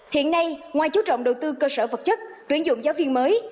hiện nay ngoài chú trọng đầu tư cơ sở vật chất tuyển dụng giáo viên mới